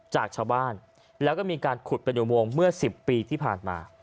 จากชาวบ้านแล้วก็มีการขุดเป็นอุโมงเมื่อ๑๐ปีที่ผ่านมา